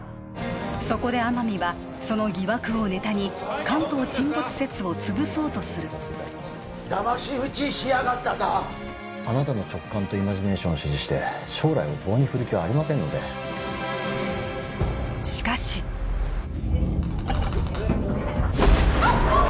そこで天海はその疑惑をネタに関東沈没説をつぶそうとするだまし討ちしやがったなあなたの直感とイマジネーションを支持して将来を棒に振る気はありませんのでしかし・あっあっ